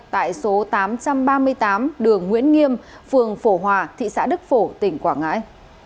tại số tám trăm ba mươi tám đường nguyễn nghiêm phường phổ hòa thị xã đức phổ tỉnh quảng ngãi